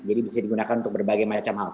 jadi bisa digunakan untuk berbagai macam hal